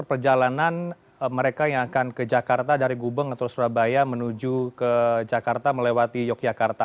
perjalanan mereka yang akan ke jakarta dari gubeng atau surabaya menuju ke jakarta melewati yogyakarta